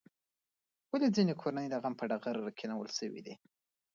ولې ځینې کورنۍ د غم په ټغر کېنول شوې دي؟